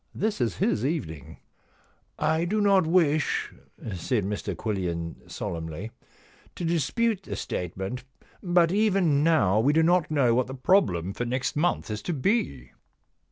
This is his evening.' * I do not wish,' said Mr Quillian solemnly, * to dispute the statement, but even now we do not know what the problem for next month is to be.'